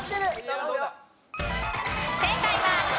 正解はＣ。